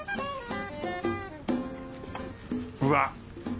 うわっ！